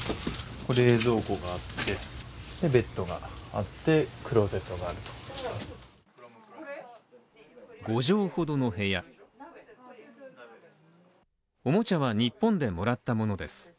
これ冷蔵庫があってベッドがあって、クローゼットがあると５畳ほどの部屋おもちゃは日本でもらったものです。